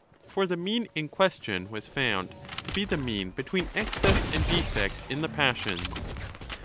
For the mean in question was found ^ to be the mean between excess and defect in the passions.